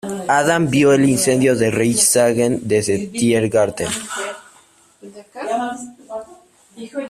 Adam vio el incendio del Reichstag desde el Tiergarten.